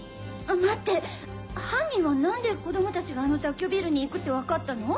待って犯人は何で子供たちがあの雑居ビルに行くって分かったの？